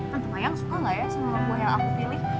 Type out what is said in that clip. tante mayang suka gak ya sama buah yang aku pilih